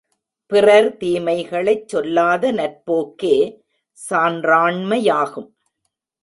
பிறர் தீமைகளைச் சொல்லாத நற்போக்கே சான்றாண்மையாகும்.